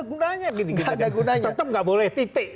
gunanya gini tetap nggak boleh titik